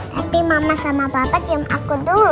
tapi mama sama bapak jam aku dulu